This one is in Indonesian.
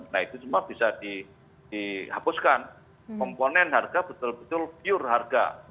nah itu semua bisa dihapuskan komponen harga betul betul pure harga